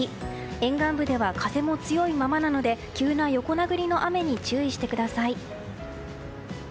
沿岸部では風も強いままなので急な横殴りの雨に注意してください。